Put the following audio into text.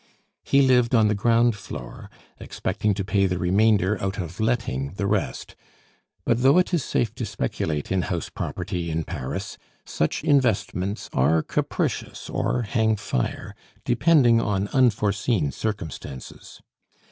He lived on the ground floor, expecting to pay the remainder out of letting the rest; but though it is safe to speculate in house property in Paris, such investments are capricious or hang fire, depending on unforeseen circumstances.